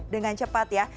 dengan cepat ya